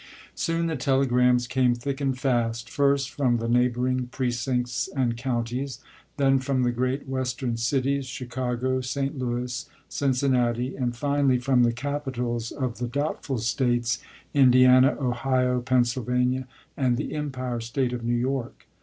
Soon the telegrams came thick and fast — first from the neighboring precincts and counties ; then from the great West ern cities, Chicago, St. Louis, Cincinnati ; and finally from the capitals of the doubtful States, Indiana, Ohio, Pennsylvania, and the Empire State of New York.